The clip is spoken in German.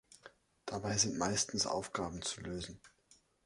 Dabei sind meistens Aufgaben zu lösen.